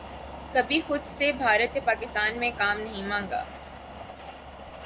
کبھی خود سے بھارت یا پاکستان میں کام نہیں مانگا